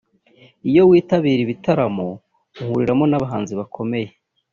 Iyo witabira ibitaramo uhuriramo n’abahanzi bakomeye